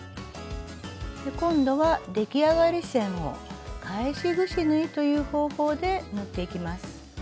今度は出来上がり線を「返しぐし縫い」という方法で縫っていきます。